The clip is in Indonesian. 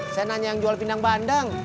saya nanya yang jual pindang bandeng